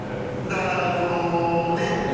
だからこのね？